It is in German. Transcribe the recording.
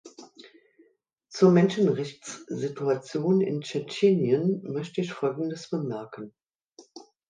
Zur Menschenrechtssituation in Tschetschenien möchte ich folgendes bemerken.